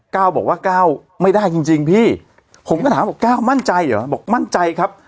ก้าวบอกว่าก้าวไม่ได้จริงจริงพี่ผมก็ถามบอกก้าวมั่นใจเหรอบอกมั่นใจครับ